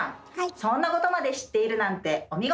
そんなことまで知っているなんてお見事！